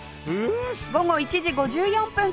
午後１時５４分から